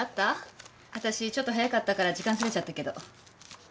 わたしちょっと早かったから時間ずれちゃったけど。